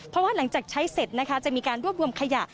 เพราะว่าหลังจากใช้เสร็จนะคะจะมีการรวบรวมขยะ